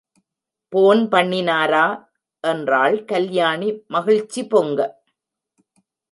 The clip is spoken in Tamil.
போன் பண்ணினாரா? என்றாள் கல்யாணி மகிழ்ச்சி பொங்க.